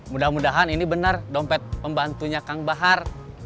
mudah mudahan ini benar dompet pembantunya kang bahar